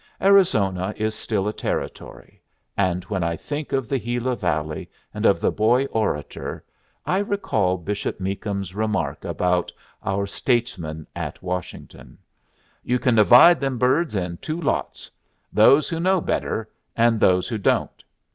Arizona is still a Territory; and when I think of the Gila Valley and of the Boy Orator, I recall Bishop Meakum's remark about our statesmen at Washington: "You can divide them birds in two lots those who know better, and those who don't.